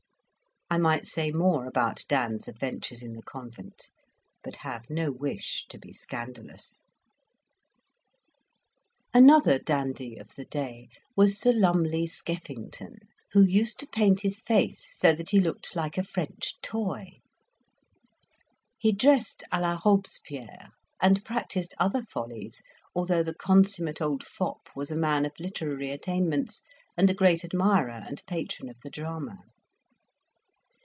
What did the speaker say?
I might say more about Dan's adventures in the convent, but have no wish to be scandalous. Another dandy of the day was Sir Lumley Skeffington, who used to paint his face, so that he looked like a French toy; he dressed a la Robespierre, and practised other follies, although the consummate old fop was a man of literary attainments, and a great admirer and patron of the drama.